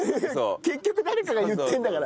結局誰かが言ってるんだから。